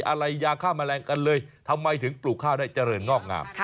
อะไรยาฆ่าแมลงกันเลยทำไมถึงปลูกข้าวได้เจริญงอกงาม